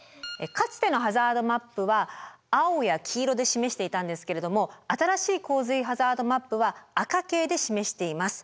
かつてのハザードマップは青や黄色で示していたんですけれども新しい洪水ハザードマップは赤系で示しています。